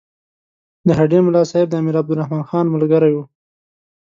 د هډې ملاصاحب د امیر عبدالرحمن خان ملګری وو.